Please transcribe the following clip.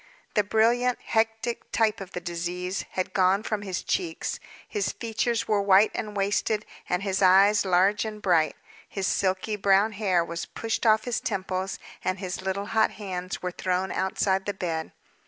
The brilliant hectic, type of the disease, had gone from his cheeks, his features were white and wasted, and his eyes large and bright. His silky brown hair was pushed off his temples, and his little hot hands were thrown outside the bed.